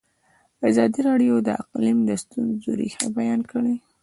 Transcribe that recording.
ازادي راډیو د اقلیم د ستونزو رېښه بیان کړې.